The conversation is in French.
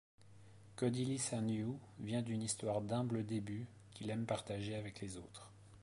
Cody Lee Saintgnue vient d'une histoire d'humbles débuts qu'il aime partager avec les autres.